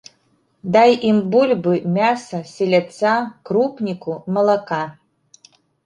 Дай ім бульбы, мяса, селядца, крупніку, малака.